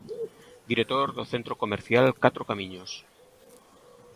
Director do Centro Comercial Catro Camiños.